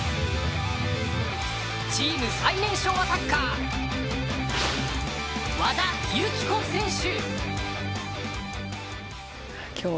チーム最年少アタッカー和田由紀子選手。